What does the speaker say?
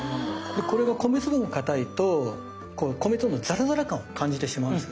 でこれが米粒がかたいとこの米粒のザラザラ感を感じてしまうんですけど。